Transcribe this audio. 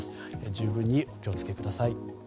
十分にお気を付けください。